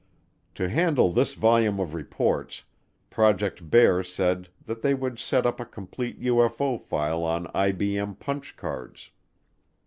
To handle this volume of reports, Project Bear said that they would set up a complete UFO file on IBM punch cards.